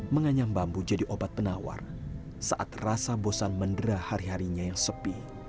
menganyam bambu jadi obat penawar saat rasa bosan mendera hari harinya yang sepi